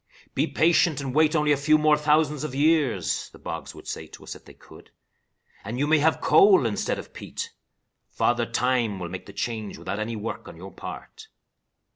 "Be patient and wait only a few more thousands of years," the bogs would say to us if they could, "and you may have coal instead of peat. Father Time will make the change without any work on your part."